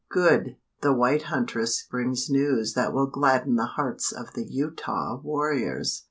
"Good; the white huntress brings news that will gladden the hearts of the Utah warriors!